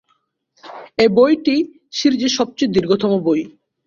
এই বইটি সিরিজের সবচেয়ে দীর্ঘতম বই।